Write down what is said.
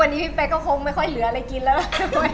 วันนี้พี่เป๊กก็คงไม่ค่อยเหลืออะไรกินแล้ว